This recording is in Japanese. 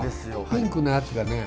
ピンクのやつがね